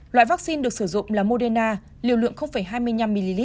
loại vaccine được sử dụng là moderna liều lượng hai mươi năm mg